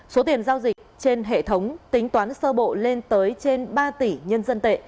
số tiền giao dịch trên hệ thống tính toán sơ bộ lên tới trên ba tỷ nhân dân tệ